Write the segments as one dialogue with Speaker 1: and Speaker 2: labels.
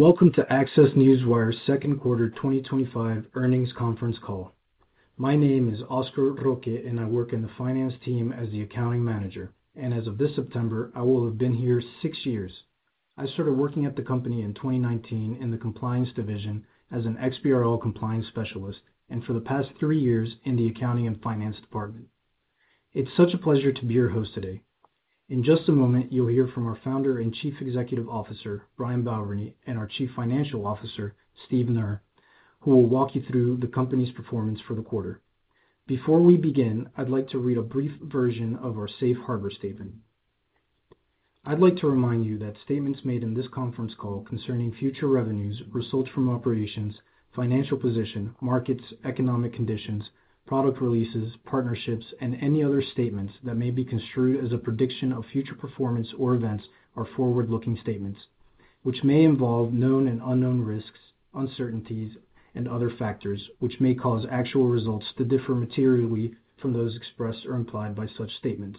Speaker 1: Welcome to ACCESS Newswire's second quarter 2025 earnings conference call. My name is Oscar Roque, and I work in the Finance team as the Accounting Manager. As of this September, I will have been here six years. I started working at the company in 2019 in the Compliance division as an XBRL Compliance Specialist, and for the past three years in the Accounting and Finance department. It's such a pleasure to be your host today. In just a moment, you'll hear from our Founder and Chief Executive Officer, Brian Balbirnie, and our Chief Financial Officer, Steve Knerr, who will walk you through the company's performance for the quarter. Before we begin, I'd like to read a brief version of our safe harbor statement. I'd like to remind you that statements made in this conference call concerning future revenues, results from operations, financial position, markets, economic conditions, product releases, partnerships, and any other statements that may be construed as a prediction of future performance or events are forward-looking statements, which may involve known and unknown risks, uncertainties, and other factors, which may cause actual results to differ materially from those expressed or implied by such statements.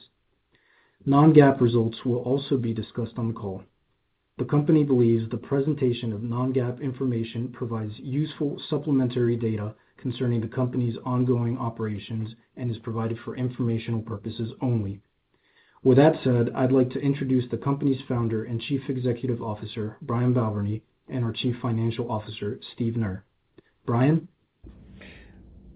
Speaker 1: Non-GAAP results will also be discussed on the call. The company believes the presentation of non-GAAP information provides useful supplementary data concerning the company's ongoing operations and is provided for informational purposes only. With that said, I'd like to introduce the company's Founder and Chief Executive Officer, Brian Balbirnie, and our Chief Financial Officer, Stevn Knerr. Brian?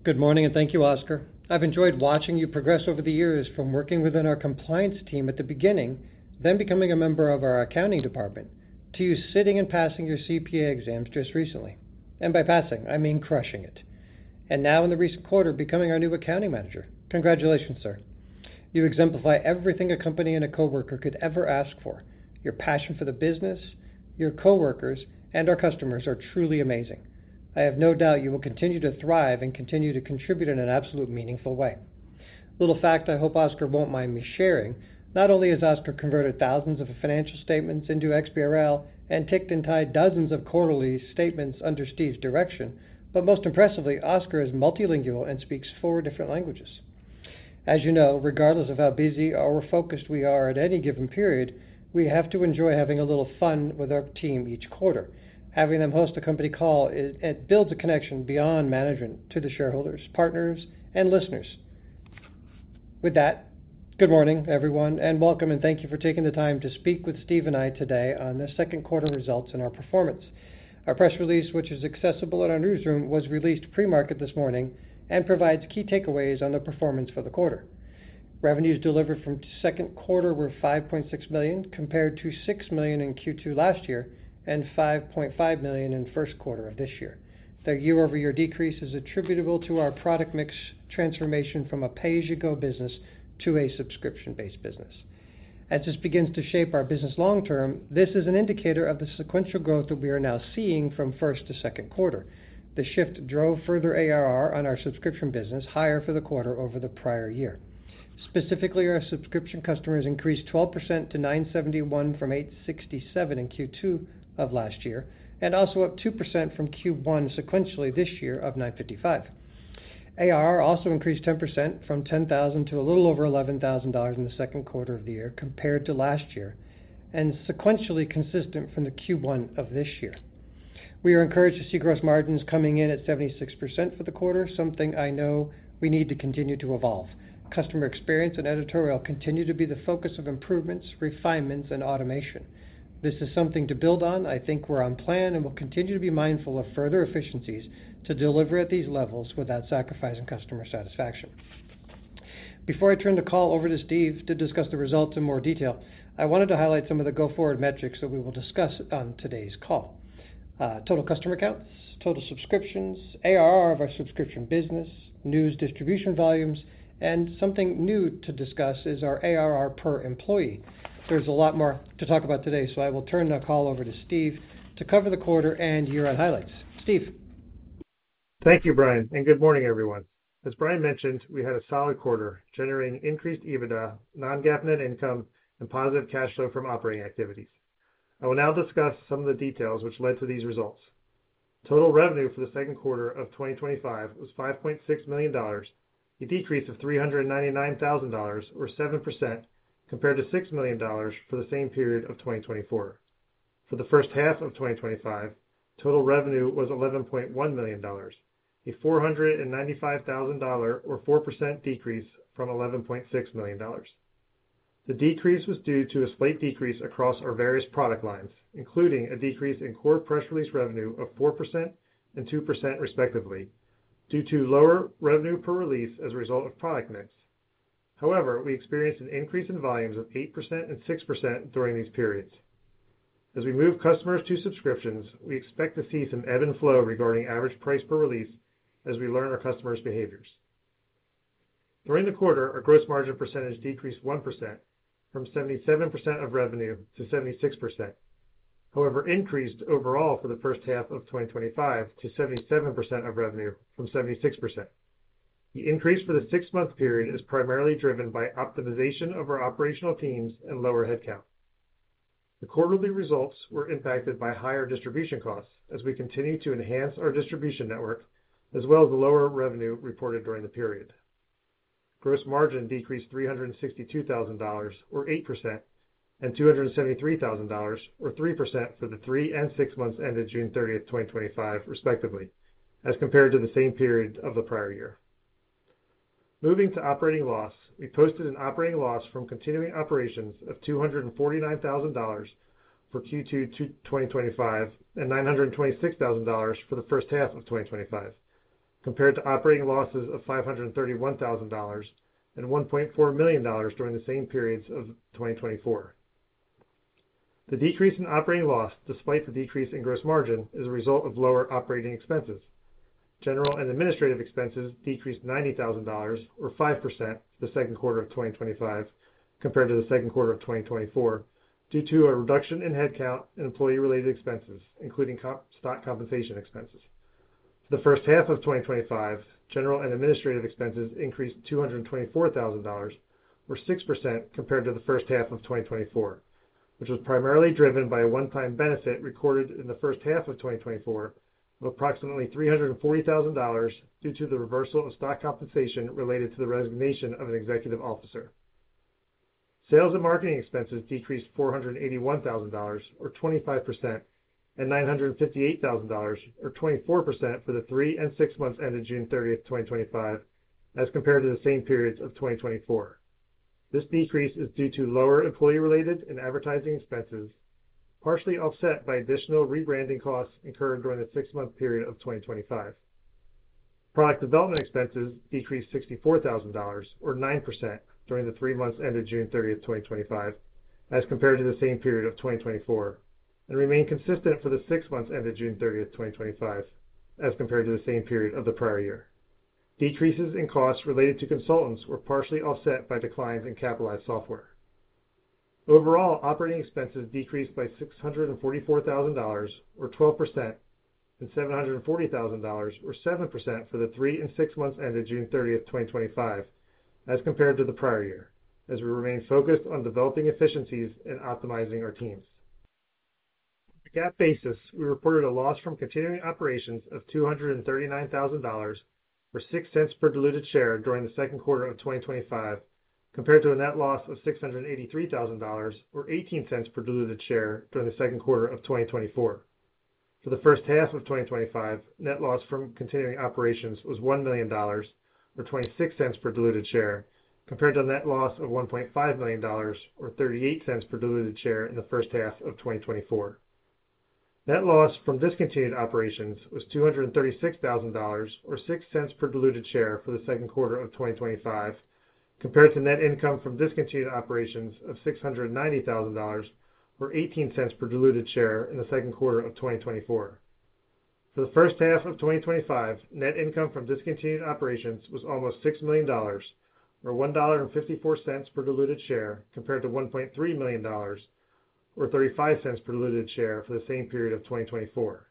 Speaker 2: Good morning and thank you, Oscar. I've enjoyed watching you progress over the years from working within our compliance team at the beginning, then becoming a member of our accounting department, to you sitting and passing your CPA exams just recently. By passing, I mean crushing it. In the recent quarter, becoming our new Accounting Manager. Congratulations, sir. You exemplify everything a company and a coworker could ever ask for. Your passion for the business, your coworkers, and our customers are truly amazing. I have no doubt you will continue to thrive and continue to contribute in an absolutely meaningful way. Little fact I hope Oscar won't mind me sharing: not only has Oscar converted thousands of financial statements into XBRL and ticked and tied dozens of quarterly statements under Steve's direction, but most impressively, Oscar is multilingual and speaks four different languages. As you know, regardless of how busy or focused we are at any given period, we have to enjoy having a little fun with our team each quarter. Having them host a company call builds a connection beyond management to the shareholders, partners, and listeners. With that, good morning, everyone, and welcome, and thank you for taking the time to speak with Steve and me today on the second quarter results and our performance. Our press release, which is accessible in our newsroom, was released pre-market this morning and provides key takeaways on the performance for the quarter. Revenues delivered from the second quarter were $5.6 million, compared to $6 million in Q2 last year and $5.5 million in the first quarter of this year. The year-over-year decrease is attributable to our product mix transformation from a pay-as-you-go business to a subscription-based business. As this begins to shape our business long term, this is an indicator of the sequential growth that we are now seeing from the first to the second quarter. The shift drove further ARR on our subscription business higher for the quarter over the prior year. Specifically, our subscription customers increased 12% to $9.71 from $8.67 in Q2 of last year, and also up 2% from Q1 sequentially this year of $9.55. ARR also increased 10% from $10,000 to a little over $11,000 in the second quarter of the year compared to last year, and sequentially consistent from the Q1 of this year. We are encouraged to see gross margins coming in at 76% for the quarter, something I know we need to continue to evolve. Customer experience and editorial continue to be the focus of improvements, refinements, and automation. This is something to build on. I think we're on plan and will continue to be mindful of further efficiencies to deliver at these levels without sacrificing customer satisfaction. Before I turn the call over to Steve to discuss the results in more detail, I wanted to highlight some of the go-forward metrics that we will discuss on today's call: total customer counts, total subscriptions, ARR of our subscription business, news distribution volumes, and something new to discuss is our ARR per employee. There's a lot more to talk about today, so I will turn the call over to Steve to cover the quarter and year-end highlights. Steve.
Speaker 3: Thank you, Brian, and good morning, everyone. As Brian mentioned, we had a solid quarter generating increased EBITDA, non-GAAP net income, and positive cash flow from operating activities. I will now discuss some of the details which led to these results. Total revenue for the second quarter of 2025 was $5.6 million, a decrease of $399,000 or 7% compared to $6 million for the same period of 2024. For the first half of 2025, total revenue was $11.1 million, a $495,000 or 4% decrease from $11.6 million. The decrease was due to a slight decrease across our various product lines, including a decrease in core press release revenue of 4% and 2% respectively, due to lower revenue per release as a result of product mix. However, we experienced an increase in volumes of 8% and 6% during these periods. As we move customers to subscriptions, we expect to see some ebb and flow regarding average price per release as we learn our customers' behaviors. During the quarter, our gross margin percentage decreased 1% from 77% of revenue to 76%. However, it increased overall for the first half of 2025 to 77% of revenue from 76%. The increase for the six-month period is primarily driven by optimization of our operational teams and lower headcount. The quarterly results were impacted by higher distribution costs as we continue to enhance our distribution network, as well as lower revenue reported during the period. Gross margin decreased $362,000 or 8% and $273,000 or 3% for the three and six months ended June 30th, 2025, respectively, as compared to the same period of the prior year. Moving to operating loss, we posted an operating loss from continuing operations of $249,000 for Q2 2025 and $926,000 for the first half of 2025, compared to operating losses of $531,000 and $1.4 million during the same periods of 2024. The decrease in operating loss, despite the decrease in gross margin, is a result of lower operating expenses. General and administrative expenses decreased $90,000 or 5% in the second quarter of 2025 compared to the second quarter of 2024, due to a reduction in headcount and employee-related expenses, including stock compensation expenses. For the first half of 2025, general and administrative expenses increased $224,000 or 6% compared to the first half of 2024, which was primarily driven by a one-time benefit recorded in the first half of 2024 of approximately $340,000 due to the reversal of stock compensation related to the resignation of an executive officer. Sales and marketing expenses decreased $481,000 or 25% and $958,000 or 24% for the three and six months ended June 30th, 2025, as compared to the same periods of 2024. This decrease is due to lower employee-related and advertising expenses, partially offset by additional rebranding costs incurred during the six-month period of 2025. Product development expenses decreased $64,000 or 9% during the three months ended June 30th, 2025, as compared to the same period of 2024, and remain consistent for the six months ended June 30, 2025, as compared to the same period of the prior year. Decreases in costs related to consultants were partially offset by declines in capitalized software. Overall, operating expenses decreased by $644,000 or 12% and $740,000 or 7% for the three and six months ended June 30th, 2025, as compared to the prior year, as we remain focused on developing efficiencies and optimizing our teams. On a GAAP basis, we reported a loss from continuing operations of $239,000 or $0.06 per diluted share during the second quarter of 2025, compared to a net loss of $683,000 or $0.18 per diluted share during the second quarter of 2024. For the first half of 2025, net loss from continuing operations was $1 million or $0.26 per diluted share, compared to a net loss of $1.5 million or $0.38 per diluted share in the first half of 2024. Net loss from discontinued operations was $236,000 or $0.06 per diluted share for the second quarter of 2025, compared to net income from discontinued operations of $690,000 or $0.18 per diluted share in the second quarter of 2024. For the first half of 2025, net income from discontinued operations was almost $6 million or $1.54 per diluted share, compared to $1.3 million or $0.35 per diluted share for the same period of 2024.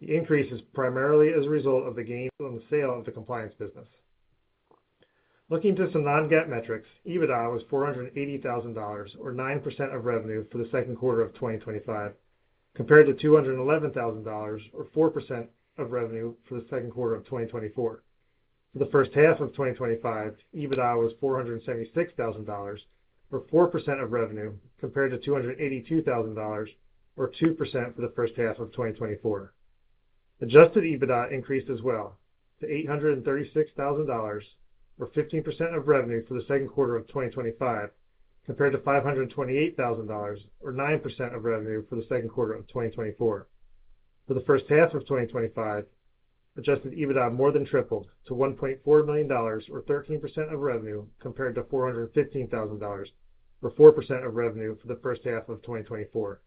Speaker 3: The increase is primarily as a result of the gain from the sale of the compliance business. Looking to some non-GAAP metrics, EBITDA was $480,000 or 9% of revenue for the second quarter of 2025, compared to $211,000 or 4% of revenue for the second quarter of 2024. For the first half of 2025, EBITDA was $476,000 or 4% of revenue, compared to $282,000 or 2% for the first half of 2024. Adjusted EBITDA increased as well to $836,000 or 15% of revenue for the second quarter of 2025, compared to $528,000 or 9% of revenue for the second quarter of 2024. For the first half of 2025, adjusted EBITDA more than tripled to $1.4 million or 13% of revenue, compared to $415,000 or 4% of revenue for the first half of 2024.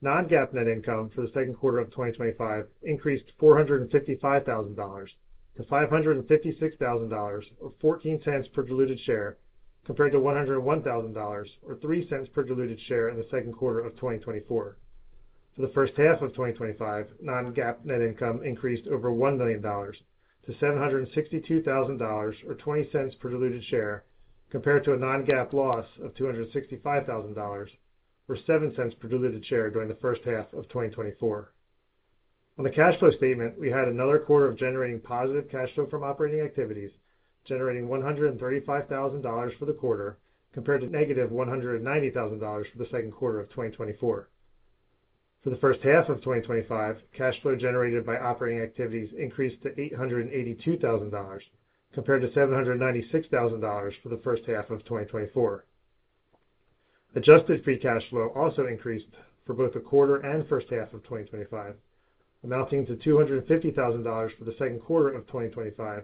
Speaker 3: Non-GAAP net income for the second quarter of 2025 increased $455,000 to $556,000 or $0.14 per diluted share, compared to $101,000 or $0.03 per diluted share in the second quarter of 2024. For the first half of 2025, non-GAAP net income increased over $1 million to $762,000 or $0.20 per diluted share, compared to a non-GAAP loss of $265,000 or $0.07 per diluted share during the first half of 2024. On the cash flow statement, we had another quarter of generating positive cash flow from operating activities, generating $135,000 for the quarter, compared to -$190,000 for the second quarter of 2024. For the first half of 2025, cash flow generated by operating activities increased to $882,000, compared to $796,000 for the first half of 2024. Adjusted free cash flow also increased for both the quarter and first half of 2025, amounting to $250,000 for the second quarter of 2025,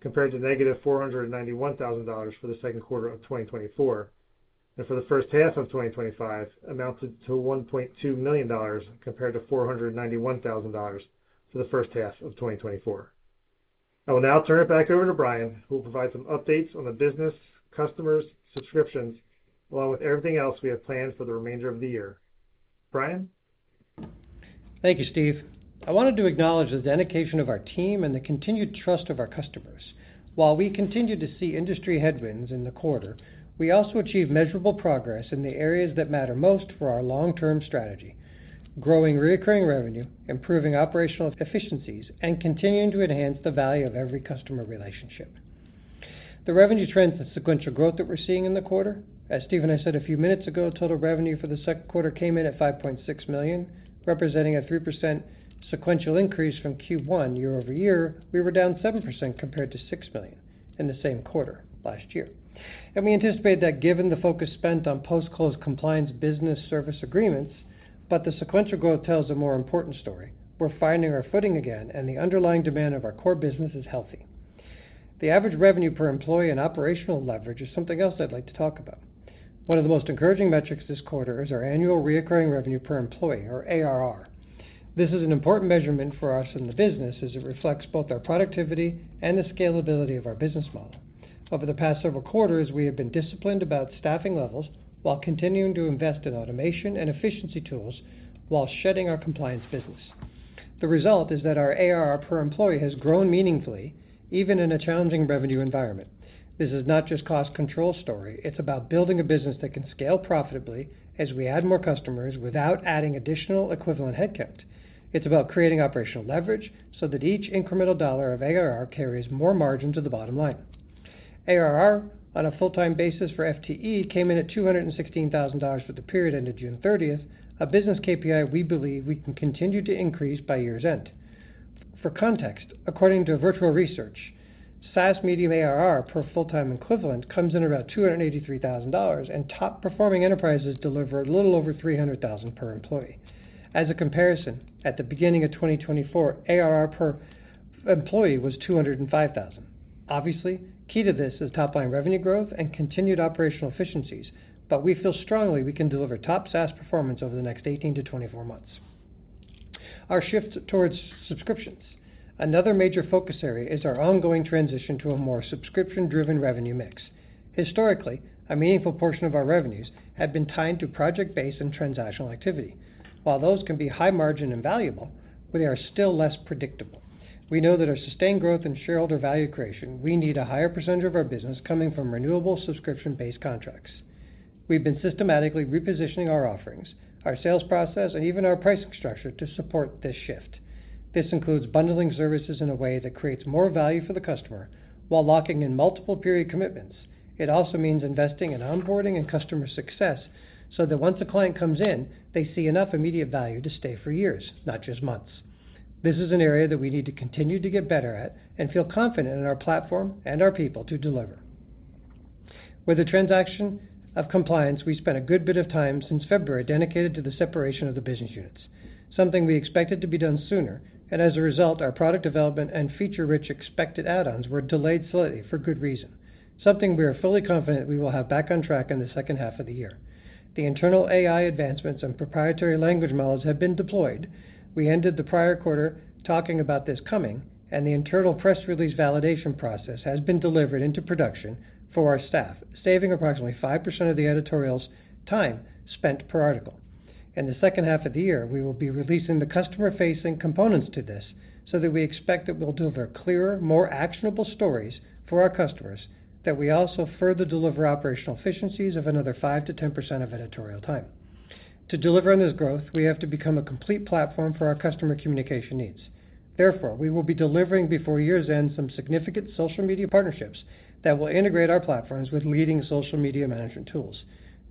Speaker 3: compared to -$491,000 for the second quarter of 2024, and for the first half of 2025, amounted to $1.2 million, compared to $491,000 for the first half of 2024. I will now turn it back over to Brian, who will provide some updates on the business, customers, subscriptions, along with everything else we have planned for the remainder of the year. Brian?
Speaker 2: Thank you, Steve. I wanted to acknowledge the dedication of our team and the continued trust of our customers. While we continue to see industry headwinds in the quarter, we also achieved measurable progress in the areas that matter most for our long-term strategy: growing recurring revenue, improving operational efficiencies, and continuing to enhance the value of every customer relationship. The revenue trends and sequential growth that we're seeing in the quarter, as Steven and I said a few minutes ago, total revenue for the second quarter came in at $5.6 million, representing a 3% sequential increase from Q1. Year-over-year, we were down 7% compared to $6 million in the same quarter last year. We anticipated that given the focus spent on post-close compliance business service agreements, but the sequential growth tells a more important story. We're finding our footing again, and the underlying demand of our core business is healthy. The average revenue per employee and operational leverage is something else I'd like to talk about. One of the most encouraging metrics this quarter is our annual recurring revenue per employee, or ARR. This is an important measurement for us in the business as it reflects both our productivity and the scalability of our business model. Over the past several quarters, we have been disciplined about staffing levels while continuing to invest in automation and efficiency tools while shedding our compliance business. The result is that our ARR per employee has grown meaningfully, even in a challenging revenue environment. This is not just a cost control story; it's about building a business that can scale profitably as we add more customers without adding additional equivalent headcount. It's about creating operational leverage so that each incremental dollar of ARR carries more margin to the bottom line. ARR on a full-time basis for FTE came in at $216,000 for the period ended June 30th, a business KPI we believe we can continue to increase by year's end. For context, according to Virtual Research, SaaS median ARR per full-time equivalent comes in at about $283,000, and top-performing enterprises deliver a little over $300,000 per employee. As a comparison, at the beginning of 2024, ARR per employee was $205,000. Obviously, key to this is top-line revenue growth and continued operational efficiencies, but we feel strongly we can deliver top SaaS performance over the next 18 months-24 months. Our shift towards subscriptions. Another major focus area is our ongoing transition to a more subscription-driven revenue mix. Historically, a meaningful portion of our revenues had been tied to project-based and transactional activity. While those can be high margin and valuable, they are still less predictable. We know that for our sustained growth and shareholder value creation, we need a higher percentage of our business coming from renewable subscription-based contracts. We've been systematically repositioning our offerings, our sales process, and even our pricing structure to support this shift. This includes bundling services in a way that creates more value for the customer while locking in multiple period commitments. It also means investing in onboarding and customer success so that once a client comes in, they see enough immediate value to stay for years, not just months. This is an area that we need to continue to get better at and feel confident in our platform and our people to deliver. With the transaction of compliance, we spent a good bit of time since February dedicated to the separation of the business units, something we expected to be done sooner. As a result, our product development and feature-rich expected add-ons were delayed slightly for good reason, something we are fully confident we will have back on track in the second half of the year. The internal AI advancements and proprietary language models have been deployed. We ended the prior quarter talking about this coming, and the internal press release validation process has been delivered into production for our staff, saving approximately 5% of the editorial time spent per article. In the second half of the year, we will be releasing the customer-facing components to this so that we expect it will deliver clearer, more actionable stories for our customers, that we also further deliver operational efficiencies of another 5%-10% of editorial time. To deliver on this growth, we have to become a complete platform for our customer communication needs. Therefore, we will be delivering before year's end some significant social media partnerships that will integrate our platforms with leading social media management tools.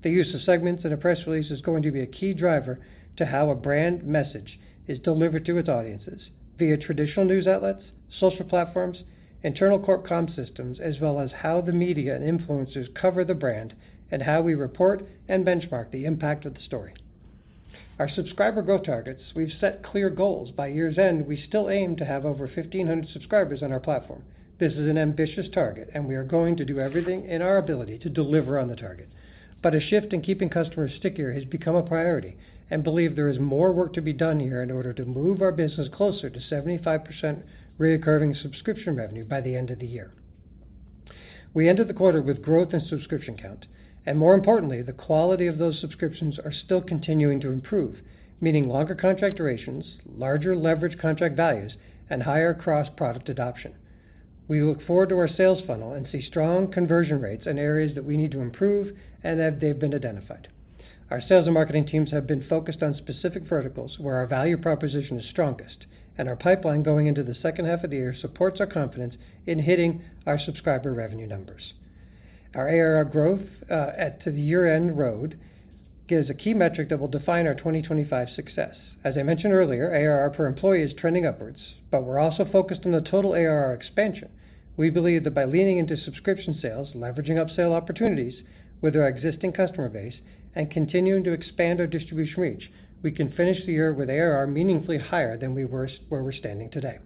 Speaker 2: The use of segments in a press release is going to be a key driver to how a brand message is delivered to its audiences via traditional news outlets, social platforms, internal corp com systems, as well as how the media and influencers cover the brand and how we report and benchmark the impact of the story. Our subscriber growth targets, we've set clear goals. By year's end, we still aim to have over 1,500 subscribers on our platform. This is an ambitious target, and we are going to do everything in our ability to deliver on the target. A shift in keeping customers stickier has become a priority, and I believe there is more work to be done here in order to move our business closer to 75% recurring subscription revenue by the end of the year. We ended the quarter with growth in subscription count, and more importantly, the quality of those subscriptions is still continuing to improve, meaning longer contract durations, larger leveraged contract values, and higher cross-product adoption. We look forward to our sales funnel and see strong conversion rates in areas that we need to improve and that they've been identified. Our sales and marketing teams have been focused on specific verticals where our value proposition is strongest, and our pipeline going into the second half of the year supports our confidence in hitting our subscriber revenue numbers. Our ARR growth to the year-end road is a key metric that will define our 2025 success. As I mentioned earlier, ARR per employee is trending upwards, but we're also focused on the total ARR expansion. We believe that by leaning into subscription sales, leveraging up sale opportunities with our existing customer base, and continuing to expand our distribution reach, we can finish the year with ARR meaningfully higher than where we're standing today.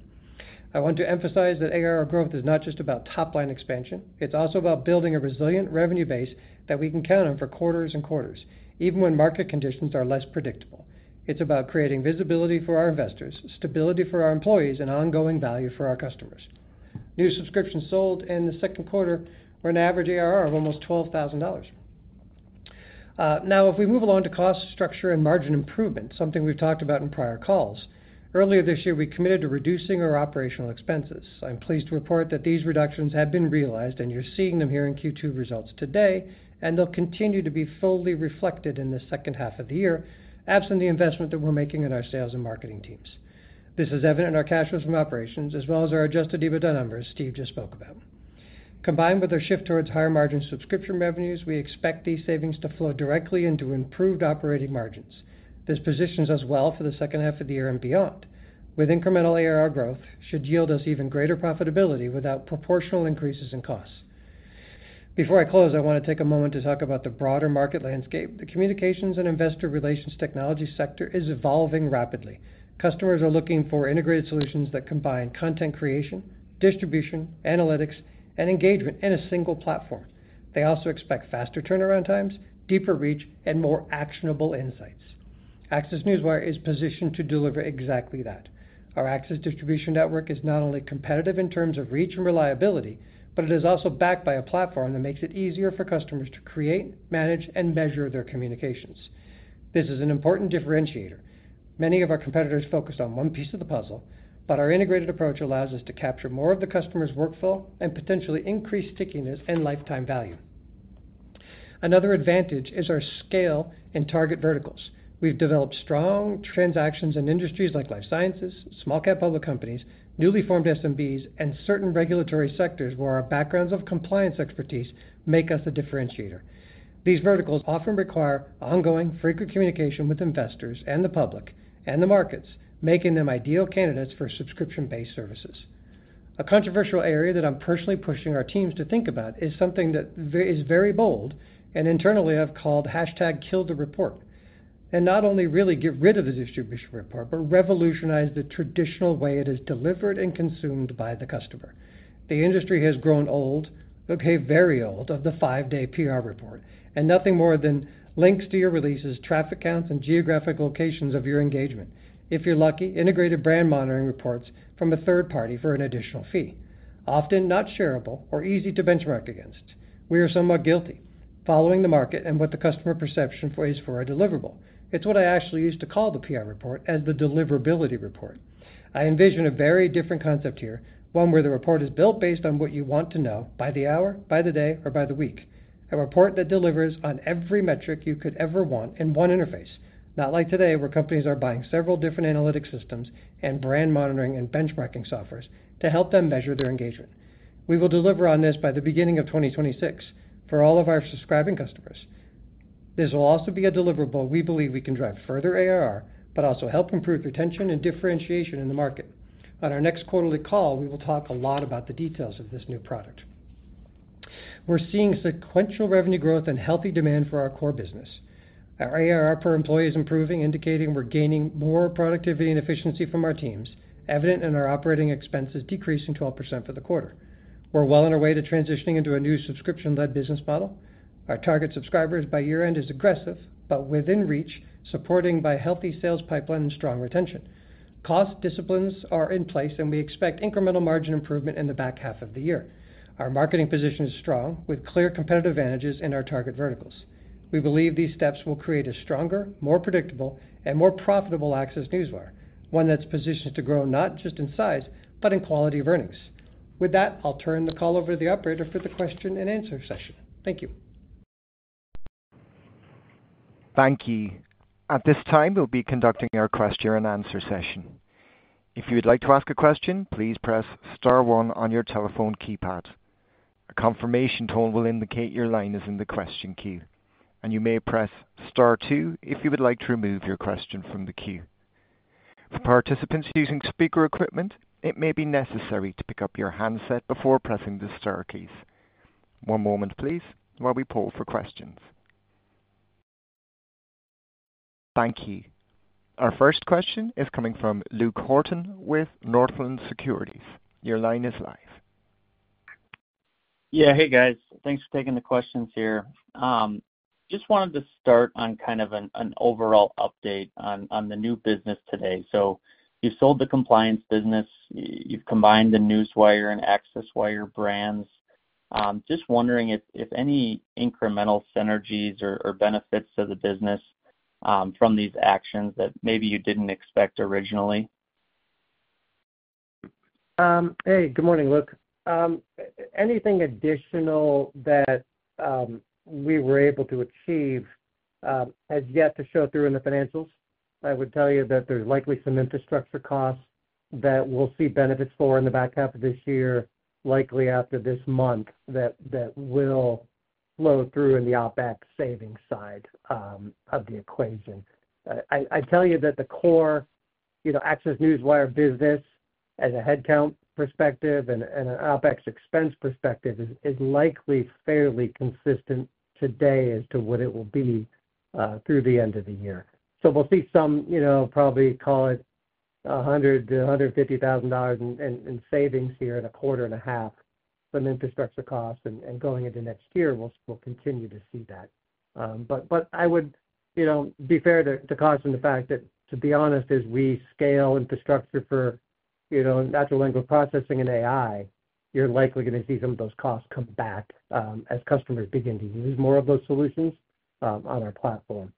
Speaker 2: I want to emphasize that ARR growth is not just about top-line expansion, it's also about building a resilient revenue base that we can count on for quarters and quarters, even when market conditions are less predictable. It's about creating visibility for our investors, stability for our employees, and ongoing value for our customers. New subscriptions sold in the second quarter were an average ARR of almost $12,000. Now, if we move along to cost structure and margin improvement, something we've talked about in prior calls, earlier this year, we committed to reducing our operational expenses. I'm pleased to report that these reductions have been realized, and you're seeing them here in Q2 results today, and they'll continue to be fully reflected in the second half of the year absent the investment that we're making in our sales and marketing teams. This is evident in our cash flows from operations, as well as our adjusted EBITDA numbers Steve just spoke about. Combined with our shift towards higher margin subscription revenues, we expect these savings to flow directly into improved operating margins. This positions us well for the second half of the year and beyond. With incremental ARR growth, it should yield us even greater profitability without proportional increases in costs. Before I close, I want to take a moment to talk about the broader market landscape. The communications and investor relations technology sector is evolving rapidly. Customers are looking for integrated solutions that combine content creation, distribution, analytics, and engagement in a single platform. They also expect faster turnaround times, deeper reach, and more actionable insights. ACCESS Newswire is positioned to deliver exactly that. Our ACCESS distribution network is not only competitive in terms of reach and reliability, but it is also backed by a platform that makes it easier for customers to create, manage, and measure their communications. This is an important differentiator. Many of our competitors focus on one piece of the puzzle, but our integrated approach allows us to capture more of the customer's workflow and potentially increase stickiness and lifetime value. Another advantage is our scale in target verticals. We've developed strong transactions in industries like life sciences, small-cap public companies, newly formed SMBs, and certain regulatory sectors where our backgrounds of compliance expertise make us a differentiator. These verticals often require ongoing, frequent communication with investors and the public and the markets, making them ideal candidates for subscription-based services. A controversial area that I'm personally pushing our teams to think about is something that is very bold and internally I've called #KillTheReport, and not only really get rid of the distribution report but revolutionize the traditional way it is delivered and consumed by the customer. The industry has grown old, very old, of the five-day PR report and nothing more than links to your releases, traffic counts, and geographic locations of your engagement. If you're lucky, integrated brand monitoring reports from a third party for an additional fee, often not shareable or easy to benchmark against. We are somewhat guilty following the market and what the customer perception is for a deliverable. It's what I actually used to call the PR report as the deliverability report. I envision a very different concept here, one where the report is built based on what you want to know by the hour, by the day, or by the week. A report that delivers on every metric you could ever want in one interface, not like today where companies are buying several different analytic systems and brand monitoring and benchmarking software to help them measure their engagement. We will deliver on this by the beginning of 2026 for all of our subscribing customers. This will also be a deliverable we believe we can drive further ARR but also help improve retention and differentiation in the market. On our next quarterly call, we will talk a lot about the details of this new product. We're seeing sequential revenue growth and healthy demand for our core business. Our ARR per employee is improving, indicating we're gaining more productivity and efficiency from our teams, evident in our operating expenses decreasing 12% for the quarter. We're well on our way to transitioning into a new subscription-led business model. Our target subscribers by year-end is aggressive but within reach, supported by a healthy sales pipeline and strong retention. Cost disciplines are in place, and we expect incremental margin improvement in the back half of the year. Our marketing position is strong with clear competitive advantages in our target verticals. We believe these steps will create a stronger, more predictable, and more profitable ACCESS Newswire, one that's positioned to grow not just in size but in quality of earnings. With that, I'll turn the call over to the operator for the question and answer session. Thank you.
Speaker 4: Thank you. At this time, we'll be conducting our question and answer session. If you would like to ask a question, please press star one on your telephone keypad. A confirmation tone will indicate your line is in the question queue, and you may press star two if you would like to remove your question from the queue. For participants using speaker equipment, it may be necessary to pick up your handset before pressing the star keys. One moment, please, while we pull for questions. Thank you. Our first question is coming from Luke Horton with Northland Securities. Your line is live.
Speaker 5: Yeah, hey guys, thanks for taking the questions here. I just wanted to start on kind of an overall update on the new business today. You've sold the compliance business, you've combined the Newswire and ACCESSwire brands. I'm just wondering if any incremental synergies or benefits to the business, from these actions that maybe you didn't expect originally.
Speaker 2: Hey, good morning, Luke. Anything additional that we were able to achieve has yet to show through in the financials. I would tell you that there's likely some infrastructure costs that we'll see benefits for in the back half of this year, likely after this month, that will flow through in the OpEx savings side of the equation. I'd tell you that the core, you know, ACCESS Newswire business, as a headcount perspective and an OpEx expense perspective, is likely fairly consistent today as to what it will be through the end of the year. We'll see some, you know, probably call it $100,000-$150,000 in savings here in a quarter and a half from infrastructure costs, and going into next year, we'll continue to see that. I would, you know, be fair to cause them the cost and the fact that, to be honest, as we scale infrastructure for, you know, natural language processing and AI, you're likely going to see some of those costs come back as customers begin to use more of those solutions on our platform.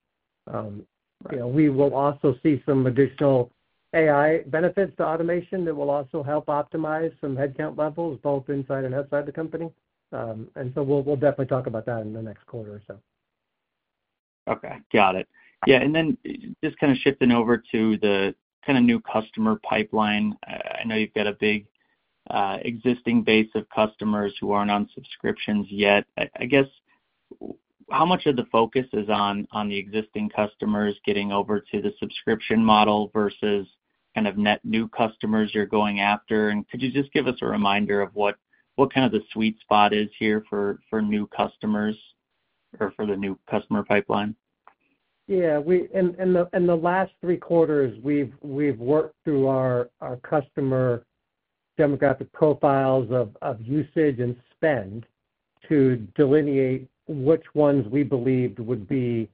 Speaker 2: We will also see some additional AI benefits to automation that will also help optimize some headcount levels, both inside and outside the company. We'll definitely talk about that in the next quarter or so.
Speaker 5: Okay, got it. Yeah, just kind of shifting over to the kind of new customer pipeline. I know you've got a big, existing base of customers who aren't on subscriptions yet. I guess how much of the focus is on the existing customers getting over to the subscription model versus kind of net new customers you're going after? Could you just give us a reminder of what the sweet spot is here for new customers or for the new customer pipeline?
Speaker 2: Yeah, in the last three quarters, we've worked through our customer demographic profiles of usage and spend to delineate which ones we believed would be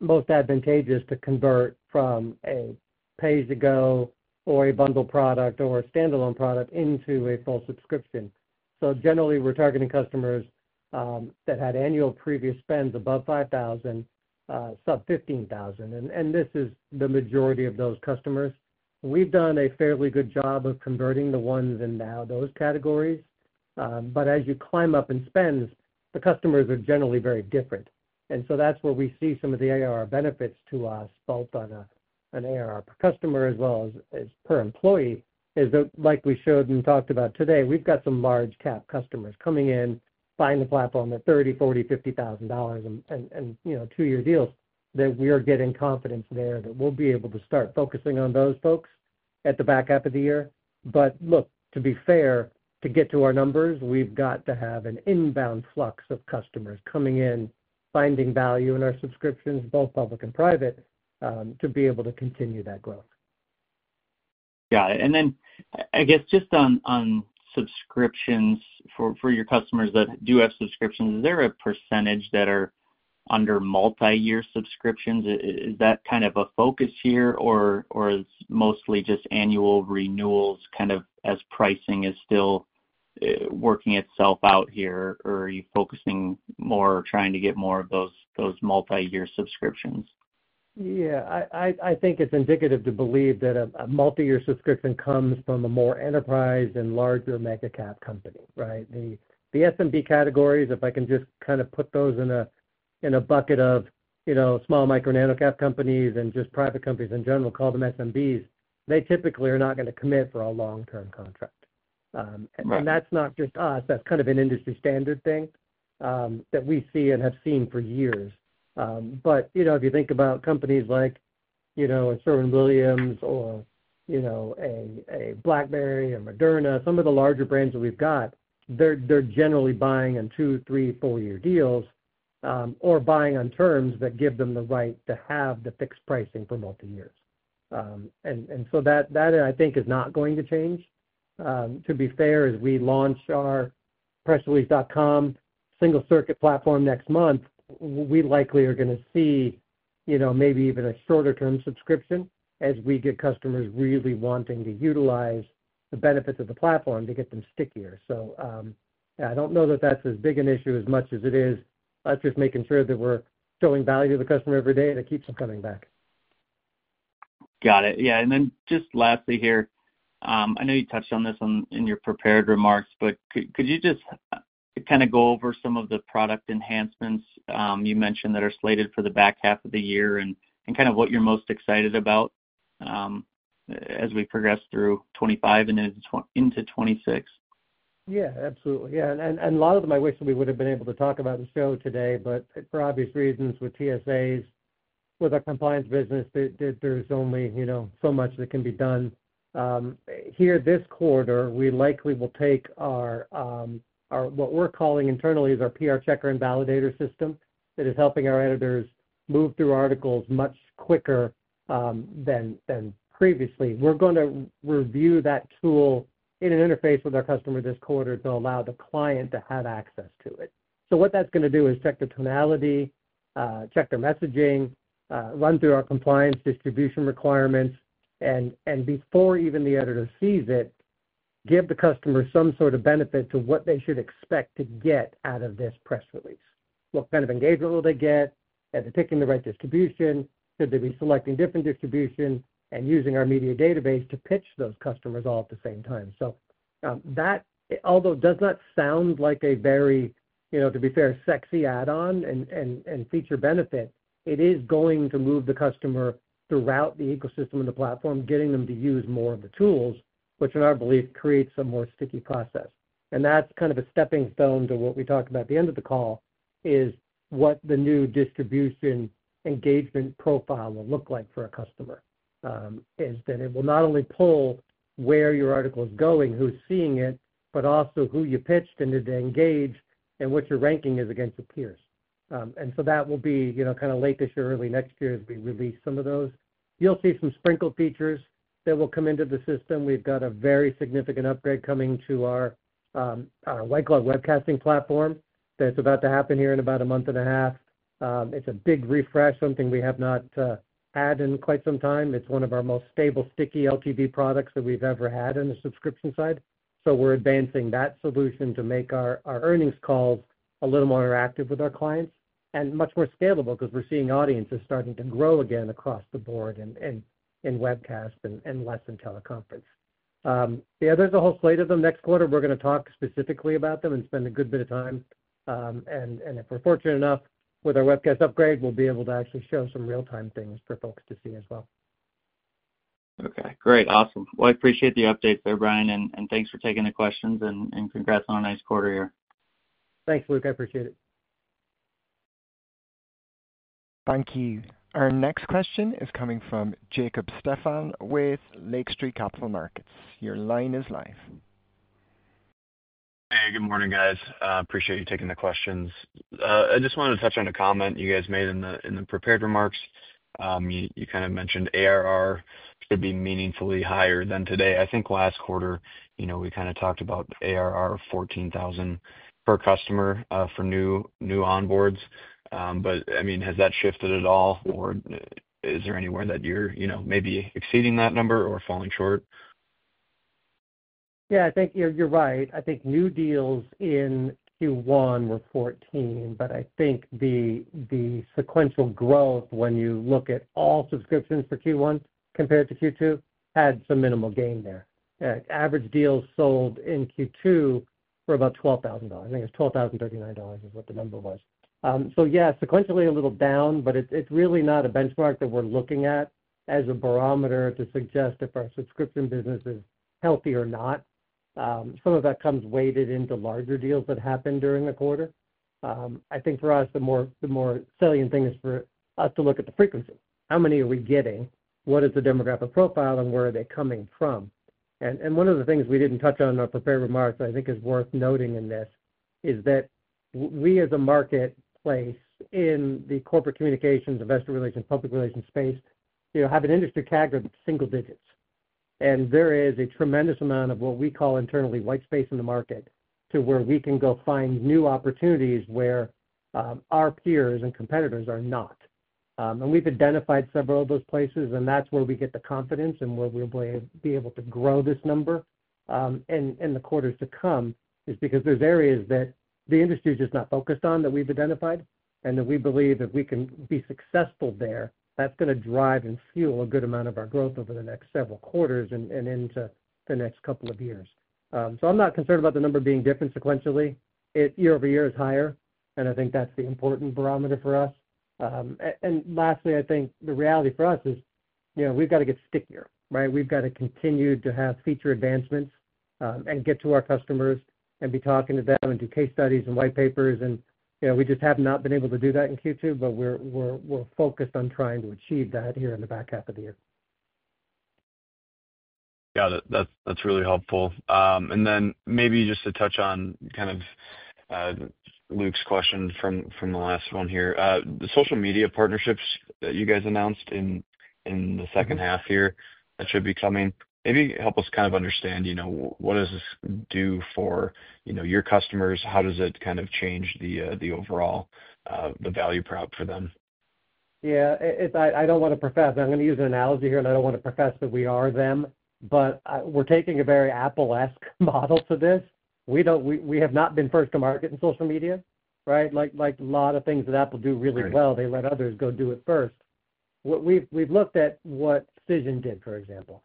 Speaker 2: most advantageous to convert from a pay-as-you-go or a bundle product or a standalone product into a full subscription. Generally, we're targeting customers that had annual previous spends above $5,000, sub $15,000. This is the majority of those customers. We've done a fairly good job of converting the ones in those categories. As you climb up in spends, the customers are generally very different. That's where we see some of the ARR benefits to us, both on an ARR per customer as well as per employee, is that, like we showed and talked about today, we've got some large-cap customers coming in, buying the platform at $30,000, $40,000, $50,000, and, you know, two-year deals that we are getting confidence there that we'll be able to start focusing on those folks at the back half of the year. To be fair, to get to our numbers, we've got to have an inbound flux of customers coming in, finding value in our subscriptions, both public and private, to be able to continue that growth.
Speaker 5: Got it. Just on subscriptions, for your customers that do have subscriptions, is there a percentage that are under multi-year subscriptions? Is that kind of a focus here, or is it mostly just annual renewals as pricing is still working itself out here, or are you focusing more trying to get more of those multi-year subscriptions?
Speaker 2: Yeah, I think it's indicative to believe that a multi-year subscription comes from a more enterprise and larger mega-cap company, right? The SMB categories, if I can just kind of put those in a bucket of, you know, small micro nano-cap companies and just private companies in general, call them SMBs, they typically are not going to commit for a long-term contract. That's not just us. That's kind of an industry standard thing that we see and have seen for years. If you think about companies like, you know, a Sherwin-Williams or a BlackBerry or Moderna, some of the larger brands that we've got, they're generally buying on two, three, four-year deals, or buying on terms that give them the right to have the fixed pricing for multi-years. That, I think, is not going to change. To be fair, as we launch our pressrelease.com single circuit platform next month, we likely are going to see maybe even a shorter-term subscription as we get customers really wanting to utilize the benefits of the platform to get them stickier. I don't know that that's as big an issue as much as it is just making sure that we're showing value to the customer every day to keep them coming back.
Speaker 5: Got it. Yeah, and then just lastly here, I know you touched on this in your prepared remarks, but could you just kind of go over some of the product enhancements you mentioned that are slated for the back half of the year, and what you're most excited about as we progress through 2025 and into 2026?
Speaker 2: Yeah, absolutely. A lot of them I wish that we would have been able to talk about and show today, but for obvious reasons, with TSAs, with our compliance business, there's only so much that can be done. This quarter, we likely will take our, what we're calling internally, our PR checker and validator system that is helping our editors move through articles much quicker than previously. We're going to review that tool in an interface with our customer this quarter to allow the client to have access to it. What that's going to do is check the tonality, check their messaging, run through our compliance distribution requirements, and before even the editor sees it, give the customer some sort of benefit to what they should expect to get out of this press release. What kind of engagement will they get? Are they picking the right distribution? Should they be selecting different distribution and using our Media Database to pitch those customers all at the same time? Although that does not sound like a very, to be fair, sexy add-on and feature benefit, it is going to move the customer throughout the ecosystem of the platform, getting them to use more of the tools, which in our belief creates a more sticky process. That's kind of a stepping stone to what we talk about at the end of the call, what the new distribution engagement profile will look like for a customer. It will not only pull where your article is going, who's seeing it, but also who you pitched and did they engage and what your ranking is against your peers. That will be late this year, early next year as we release some of those. You'll see some sprinkle features that will come into the system. We've got a very significant upgrade coming to our white glove webcasting platform that's about to happen here in about a month and a half. It's a big refresh, something we have not had in quite some time. It's one of our most stable, sticky LTV products that we've ever had in the subscription side. We're advancing that solution to make our Earnings Calls a little more interactive with our clients and much more scalable because we're seeing audiences starting to grow again across the board in webcast and less in teleconference. There's a whole slate of them next quarter. We're going to talk specifically about them and spend a good bit of time. If we're fortunate enough with our webcast upgrade, we'll be able to actually show some real-time things for folks to see as well.
Speaker 5: Okay, great. Awesome. I appreciate the update there, Brian, and thanks for taking the questions and congrats on a nice quarter here.
Speaker 2: Thanks, Luke. I appreciate it.
Speaker 1: Thank you. Our next question is coming from Jacob Stephan with Lake Street Capital Markets. Your line is live.
Speaker 6: Hey, good morning, guys. Appreciate you taking the questions. I just wanted to touch on a comment you guys made in the prepared remarks. You kind of mentioned ARR could be meaningfully higher than today. I think last quarter, you know, we kind of talked about ARR of $14,000 per customer for new new onboards. Has that shifted at all, or is there anywhere that you're maybe exceeding that number or falling short?
Speaker 2: Yeah, I think you're right. I think new deals in Q1 were $14,000, but I think the sequential growth when you look at all subscriptions for Q1 compared to Q2 had some minimal gain there. Average deals sold in Q2 were about $12,000. I think it was $12,039, is what the number was. Sequentially a little down, but it's really not a benchmark that we're looking at as a barometer to suggest if our subscription business is healthy or not. Some of that comes weighted into larger deals that happen during a quarter. I think for us, the more salient thing is for us to look at the frequency. How many are we getting? What is the demographic profile and where are they coming from? One of the things we didn't touch on in our prepared remarks that I think is worth noting in this is that we as a marketplace in the corporate communications, investor relations, public relations space, have an industry tag of single digits. There is a tremendous amount of what we call internally white space in the market to where we can go find new opportunities where our peers and competitors are not. We've identified several of those places, and that's where we get the confidence and where we'll be able to grow this number in the quarters to come because there are areas that the industry is just not focused on that we've identified and that we believe if we can be successful there, that's going to drive and fuel a good amount of our growth over the next several quarters and into the next couple of years. I'm not concerned about the number being different sequentially. Year-over-year is higher, and I think that's the important barometer for us. Lastly, I think the reality for us is we've got to get stickier, right? We've got to continue to have feature advancements, and get to our customers and be talking to them and do case studies and white papers. We just have not been able to do that in Q2, but we're focused on trying to achieve that here in the back half of the year.
Speaker 6: Yeah, that's really helpful. Maybe just to touch on kind of Luke's question from the last one here, the social media partnerships that you guys announced in the second half here that should be coming, maybe help us kind of understand, you know, what does this do for your customers? How does it kind of change the overall, the value prop for them?
Speaker 2: Yeah, I don't want to profess, and I'm going to use an analogy here, I don't want to profess that we are them, but we're taking a very Apple-esque model to this. We don't, we have not been first to market in social media, right? Like a lot of things that Apple do really well, they let others go do it first. What we've looked at, what Cision did, for example.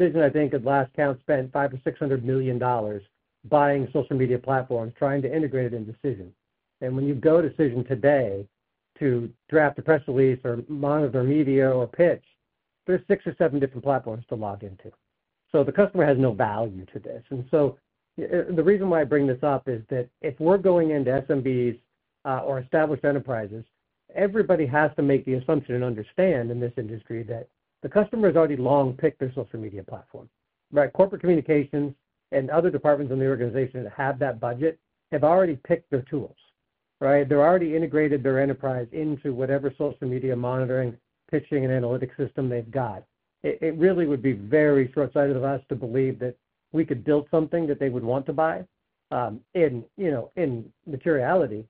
Speaker 2: Cision, I think, at last count spent $500 to $600 million buying social media platforms, trying to integrate it into Cision. When you go to Cision today to draft a press release or monitor media or pitch, there's six or seven different platforms to log into. The customer has no value to this. The reason why I bring this up is that if we're going into SMBs or established enterprises, everybody has to make the assumption and understand in this industry that the customer has already long picked their social media platform, right? Corporate communications and other departments in the organization that have that budget have already picked their tools, right? They've already integrated their enterprise into whatever social media monitoring, pitching, and analytics system they've got. It really would be very shortsighted of us to believe that we could build something that they would want to buy, in, you know, in materiality,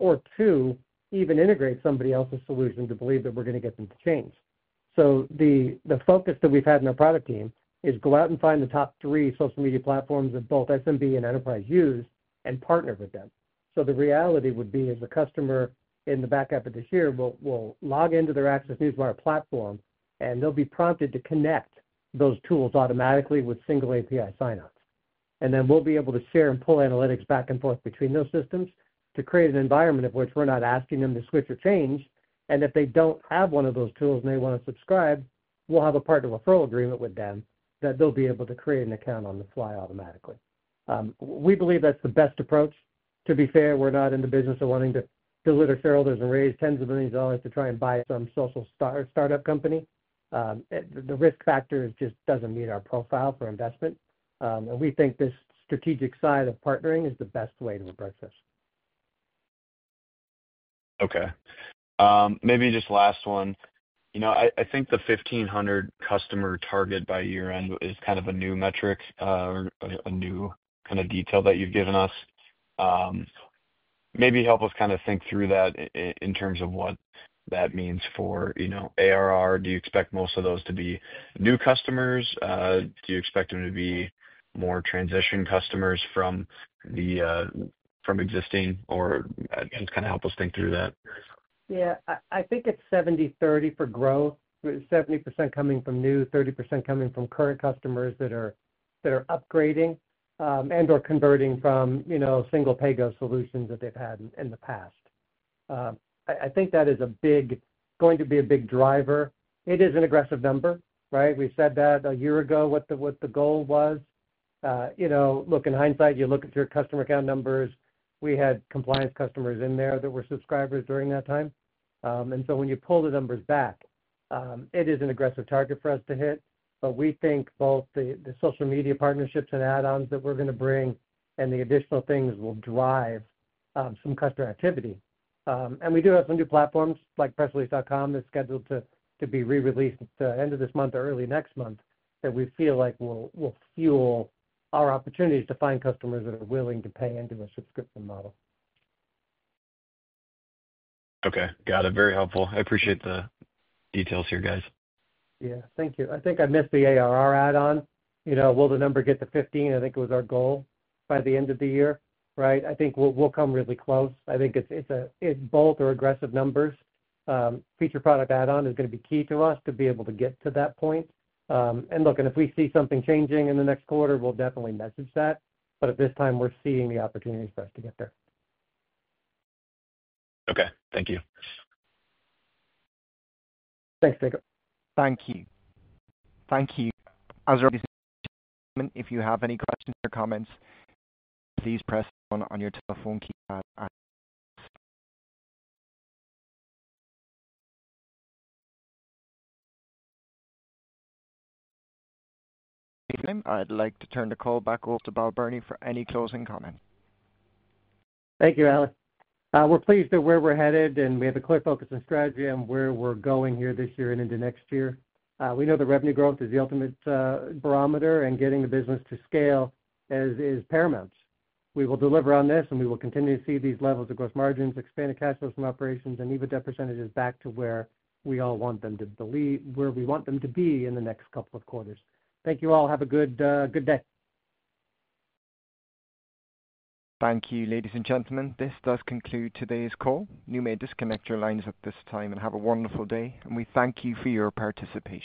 Speaker 2: or to even integrate somebody else's solution to believe that we're going to get them to change. The focus that we've had in our product team is go out and find the top three social media platforms that both SMB and enterprise use and partner with them. The reality would be as a customer in the back half of this year, they'll log into their ACCESS Newswire platform, and they'll be prompted to connect those tools automatically with single API signups. Then we'll be able to share and pull analytics back and forth between those systems to create an environment of which we're not asking them to switch or change. If they don't have one of those tools and they want to subscribe, we'll have a partner referral agreement with them that they'll be able to create an account on the fly automatically. We believe that's the best approach. To be fair, we're not in the business of wanting to deliver shareholders and raise tens of millions of dollars to try and buy some social startup company. The risk factor just doesn't meet our profile for investment. We think this strategic side of partnering is the best way to approach this.
Speaker 6: Okay. Maybe just last one. I think the 1,500 customer target by year-end is kind of a new metric, or a new kind of detail that you've given us. Maybe help us kind of think through that in terms of what that means for, you know, ARR. Do you expect most of those to be new customers? Do you expect them to be more transitioning customers from the, from existing, or just kind of help us think through that?
Speaker 2: Yeah, I think it's 70/30 for growth, with 70% coming from new, 30% coming from current customers that are upgrading and/or converting from, you know, single pay-as-you-go solutions that they've had in the past. I think that is going to be a big driver. It is an aggressive number, right? We've said that a year ago what the goal was. You know, look in hindsight, you look at your customer account numbers. We had compliance customers in there that were subscribers during that time, and so when you pull the numbers back, it is an aggressive target for us to hit. We think both the social media partnerships and add-ons that we're going to bring and the additional things will drive some customer activity. We do have some new platforms like pressrelease.com that's scheduled to be re-released at the end of this month or early next month that we feel like will fuel our opportunities to find customers that are willing to pay into a subscription model.
Speaker 6: Okay, got it. Very helpful. I appreciate the details here, guys.
Speaker 2: Yeah, thank you. I think I missed the ARR add-on. You know, will the number get to 1,500? I think it was our goal by the end of the year, right? I think we'll come really close. I think it's a, both are aggressive numbers. Feature product add-on is going to be key to us to be able to get to that point. Look, if we see something changing in the next quarter, we'll definitely message that. At this time, we're seeing the opportunity for us to get there.
Speaker 6: Okay, thank you.
Speaker 2: Thanks, Jacob.
Speaker 4: Thank you. Thank you. As I was just saying, if you have any questions or comments, please press one on your telephone keypad. I'd like to turn the call back over to Brian Balbirnie for any closing comments.
Speaker 2: Thank you, Alex. We're pleased with where we're headed, and we have a clear focus on strategy and where we're going here this year and into next year. We know the revenue growth is the ultimate barometer, and getting the business to scale is paramount. We will deliver on this, and we will continue to see these levels of gross margins, expanded cash flows from operations, and EBITDA percentages back to where we all want them to be, where we want them to be in the next couple of quarters. Thank you all. Have a good, good day. Thank you, ladies and gentlemen. This does conclude today's call. You may disconnect your lines at this time and have a wonderful day, and we thank you for your participation.